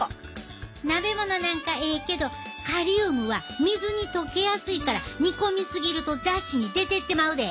鍋物なんかええけどカリウムは水に溶けやすいから煮込み過ぎるとだしに出てってまうで！